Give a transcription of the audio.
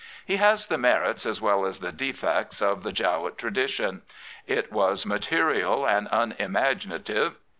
He has the merits as well as the defects of the Jowett tradition. It was material and unimagina tive.